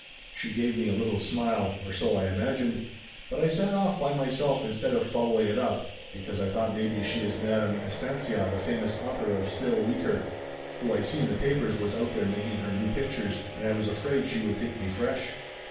She give me a little smile, or so I imagined, but I sat off by myself instead of follow Laughter Limited 81 ing it up, because I thought maybe she is Madame Estancia the famous author of Still Weaker, who I see in the papers was out there making her new pictures, and I was afraid she would think me fresh.